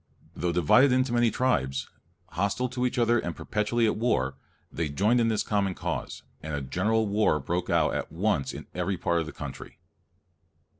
Though divided into many tribes, hostile to each other and perpetually at war, they joined in this common cause, and a general war broke out at once in every part of the country.